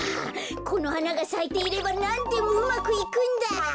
この花がさいていればなんでもうまくいくんだ！